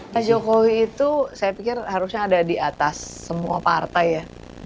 pak jokowi itu saya pikir harusnya ada di atas semua partai ya